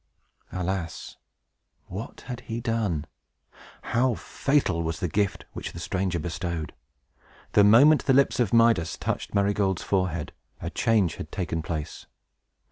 Alas, what had he done? How fatal was the gift which the stranger bestowed! The moment the lips of Midas touched Marygold's forehead, a change had taken place.